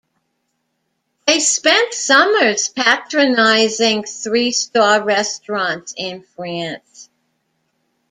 They spent summers patronizing three-star restaurants in France.